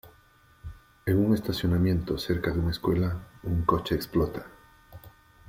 En un estacionamiento cerca de una escuela, un coche explota.